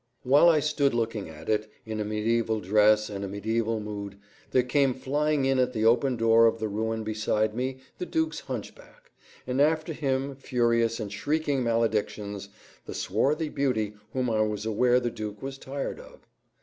While I stood looking into it, in a mediæval dress and a mediæval mood, there came flying in at the open door of the ruin beside me the duke's hunchback, and after him, furious and shrieking maledictions, the swarthy beauty whom I was aware the duke was tired of.